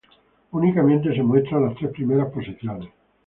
Únicamente se muestran las tres primeras posiciones.